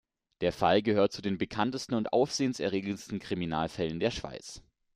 Der Fall gehört zu den bekanntesten und aufsehenerregendsten Kriminalfällen der Schweiz.